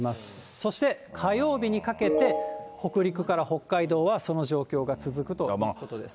そして火曜日にかけて、北陸から北海道はその状況が続くということです。